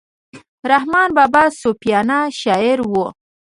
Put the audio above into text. رحمان بابا صوفیانه شاعر وو.